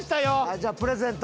じゃあプレゼント。